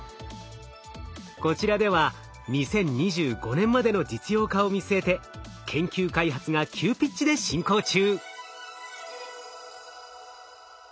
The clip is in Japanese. こちらでは２０２５年までの実用化を見据えて研究開発が急ピッチで進行中。